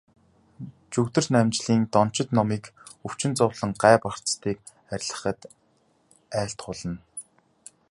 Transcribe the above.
Жүгдэрнамжилын дончид номыг өвчин зовлон, гай барцдыг арилгахад айлтгуулна.